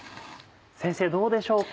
先生どうでしょうか？